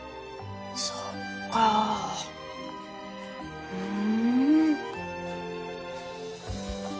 そっかふん。